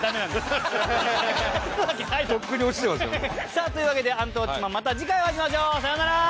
さあというわけで『アンタウォッチマン！』また次回お会いしましょう。さようなら！